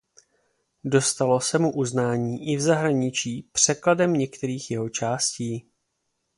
Dostalo se mu uznání i v zahraničí překladem některých jeho částí.